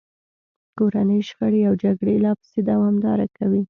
کورنۍ شخړې او جګړې لا پسې دوامداره کوي.